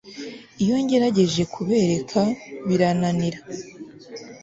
Iyo ngerageje kubereka birananira